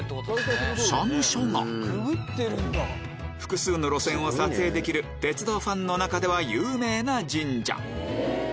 複数の路線を撮影できる鉄道ファンの中では有名な神社